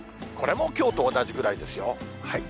これもきょうと同じぐらいですよ。